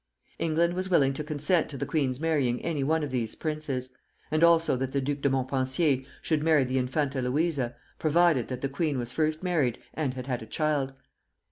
England was willing to consent to the queen's marrying anyone of these princes, and also that the Duc de Montpensier should marry the Infanta Luisa, provided that the queen was first married and had had a child.